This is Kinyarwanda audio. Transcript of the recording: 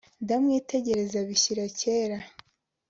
Ndamwitegereza bishyira kera,